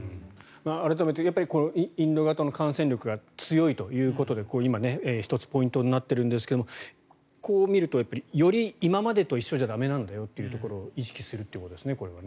改めて、インド型の感染力が強いということで今、１つポイントになっているんですがこう見るとより今までと一緒じゃ駄目なんだよということを意識するということですね。